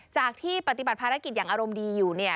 จากที่ปฏิบัติภารกิจอย่างอารมณ์ดีอยู่เนี่ย